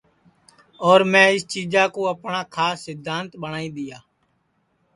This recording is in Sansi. اور میں اِس چیجا کُو اپٹؔا کھاس سدھانت ٻٹؔائی دؔیا